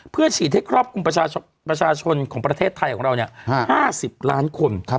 เพื่อฉีดให้ครอบคลุมประชาชนของประเทศไทยของเรา๕๐ล้านคน